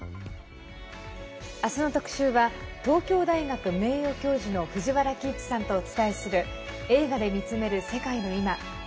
明日の特集は東京大学名誉教授の藤原帰一さんとお伝えする「映画で見つめる世界のいま」。